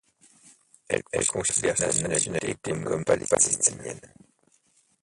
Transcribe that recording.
Elle considère sa nationalité comme palestinienne.